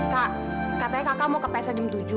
kak katanya kakak mau ke pesta jam tujuh